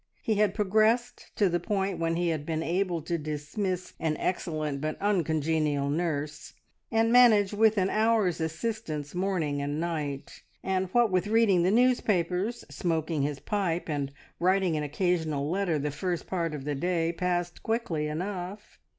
He had progressed to the point when he had been able to dismiss an excellent but uncongenial nurse, and manage with an hour's assistance morning and night; and what with reading the newspapers, smoking his pipe, and writing an occasional letter the first part of the day passed quickly enough.